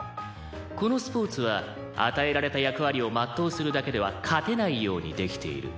このスポーツは与えられた役割を全うするだけでは勝てないようにできている。